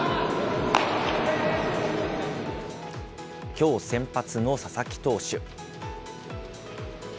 きょう先発の佐々木投手。